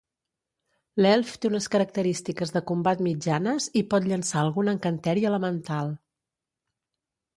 L'elf té unes característiques de combat mitjanes i pot llançar algun encanteri elemental.